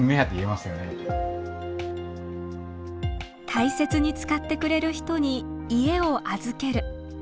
大切に使ってくれる人に家を預ける。